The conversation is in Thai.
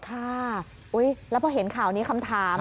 ค่ะแล้วพอเห็นข่าวนี้คำถาม